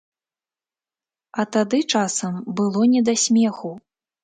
А тады часам было не да смеху.